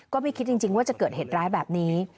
ไม่คิดจริงว่าจะเกิดเหตุร้ายแบบนี้